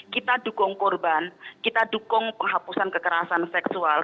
kita dukung korban kita dukung penghapusan kekerasan seksual